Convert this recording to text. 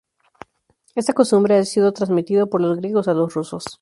Esta costumbre ha sido transmitido por los griegos a los rusos.